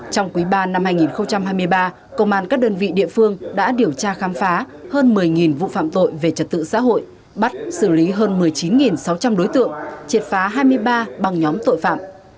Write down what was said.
trong quý ba năm hai nghìn hai mươi ba công an các đơn vị địa phương đã điều tra khám phá hơn một mươi vụ phạm tội về trật tự xã hội bắt xử lý hơn một mươi chín sáu trăm linh đối tượng triệt phá hai mươi ba bằng nhóm tội phạm